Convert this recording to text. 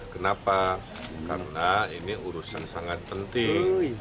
kenapa karena ini urusan sangat penting